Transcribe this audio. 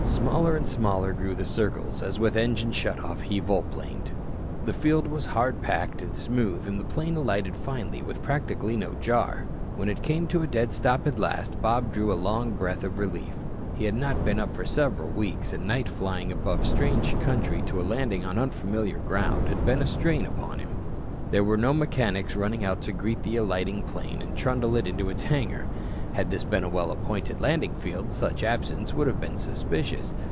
Smaller and smaller grew the circles, as with engine shut off he volplaned. The field was hard packed and smooth and the plane alighted finally with practically no jar. When it came to a dead stop at last, Bob drew a long breath of relief. He had not been up for several weeks. And night flying above strange country to a landing on unfamiliar ground had been a strain upon him. There were no mechanics running out to greet the alighting plane and trundle it into its hangar. Had this been a well appointed landing field, such absence would have been suspicious.